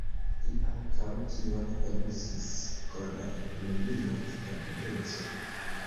Li ankaŭ tion eluzis por la ekonomia stabileco.